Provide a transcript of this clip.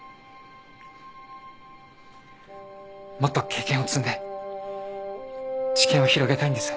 もっと経験を積んで知見を広げたいんです。